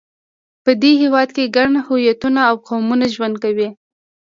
په دې هېواد کې ګڼ هویتونه او قومونه ژوند کوي.